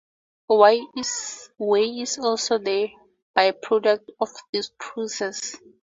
Whey is also the byproduct of this process.